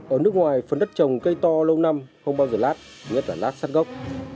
ở nước ngoài phần đất trồng cây to lâu năm không bao giờ lát nhất là lát sát gốc